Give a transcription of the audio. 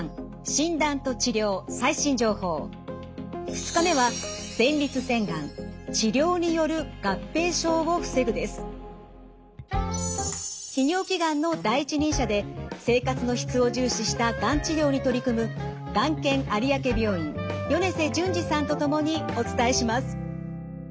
２日目は泌尿器がんの第一人者で生活の質を重視したがん治療に取り組むがん研有明病院米瀬淳二さんと共にお伝えします。